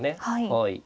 はい。